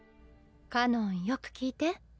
かのんよく聞いて。